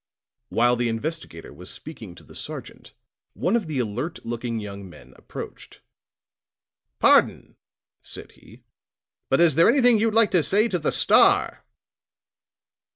While the investigator was speaking to the sergeant, one of the alert looking young men approached. "Pardon," said he. "But is there anything you'd like to say to the _Star?